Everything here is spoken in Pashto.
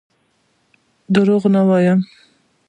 دروغ نه وایم.